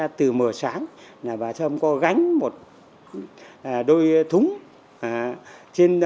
một người khác thì cho hay nhìn thấy sâm gánh một đôi thúng rất nặng đi